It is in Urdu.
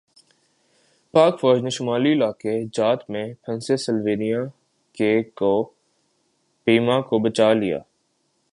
پاک فوج نے شمالی علاقہ جات میں پھنسے سلوینیا کے کوہ پیما کو بچالیا